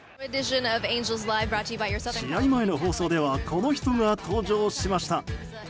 試合前の放送ではこの人が登場しました。